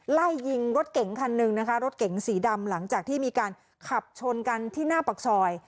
ไล่ยิงรถเก๋งคันหนึ่งนะคะรถเก๋งสีดำหลังจากที่มีการขับชนกันที่หน้าปากซอย